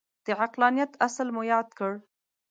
د عقلانیت اصل مو یاد کړ.